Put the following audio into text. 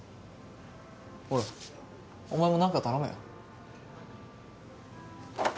ほらお前もなんか頼めよ。